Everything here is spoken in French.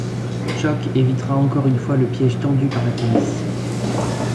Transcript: Choc évitera encore une fois le piège tendu par la police.